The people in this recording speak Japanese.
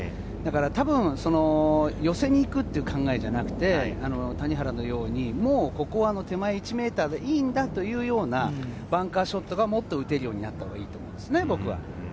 たぶん寄せに行くという考えじゃなくて、谷原のように、もうここは手前、１ｍでいいんだというようなバンカーショットがもっと打てるようになったほうがいいと思うんですね、僕は。